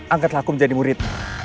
angkatlah aku menjadi murid